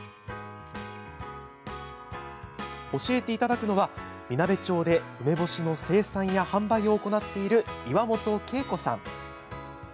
教えていただくのは、みなべ町で梅干しの生産や販売を行っている岩本恵子さん。